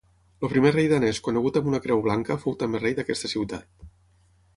El primer rei danès conegut amb una creu blanca fou també rei d'aquesta ciutat.